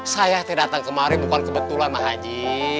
saya datang kemari bukan kebetulan ma haji